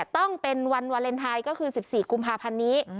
ต้องเป็นวันวาเลนไทยก็คือ๑๔กุมภาพันธ์นี้